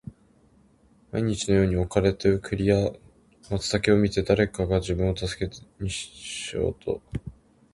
兵十は毎日のように置かれる栗や松茸を見て、誰が自分を助けてくれているのだろうと不思議に思いました。